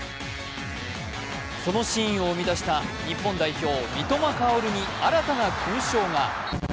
そのシーンを生み出した日本代表、三笘薫に新たな勲章が。